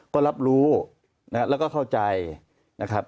ก็รับรู้แล้วก็เข้าใจนะครับ